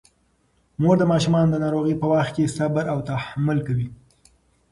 مور د ماشومانو د ناروغۍ په وخت کې صبر او تحمل کوي.